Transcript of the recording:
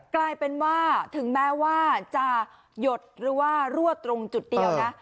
กลายเป็นว่าถึงแม้ว่าจะหยดหรือว่ารั่วตรงจุดเดียวนะ